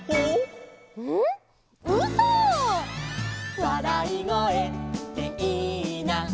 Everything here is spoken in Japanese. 「わらいごえっていいな」